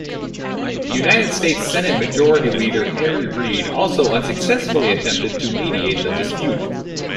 United States Senate Majority Leader Harry Reid also unsuccessfully attempted to mediate the dispute.